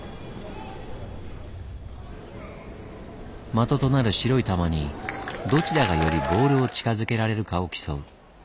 的となる白い球にどちらがよりボールを近づけられるかを競う。